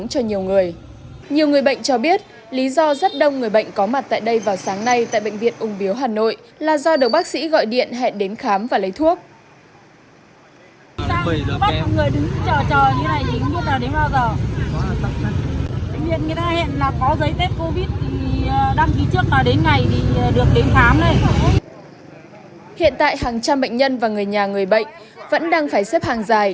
hiện tại hàng trăm bệnh nhân và người nhà người bệnh vẫn đang phải xếp hàng dài